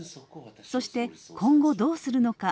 そして、今後どうするのか。